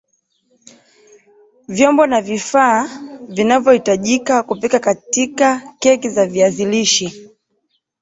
Vyombo na vifaa vinavyahitajika katika kupika keki ya viazi lishe